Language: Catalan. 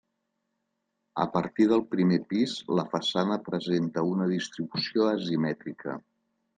A partir del primer pis la façana presenta una distribució asimètrica.